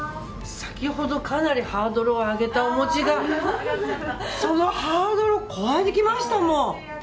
先ほどかなりハードルを上げたお餅がそのハードルを越えてきましたもん。